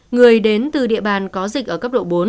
người đến từ địa bàn có dịch ở cấp độ bốn